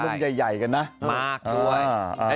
พวกมึงใหญ่กันนะมากด้วย